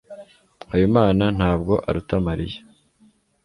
habimana ntabwo aruta mariya